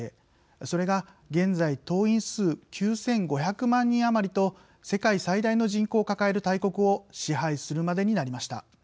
それが、現在党員数９５００万人余りと世界最大の人口を抱える大国を支配するまでになりました。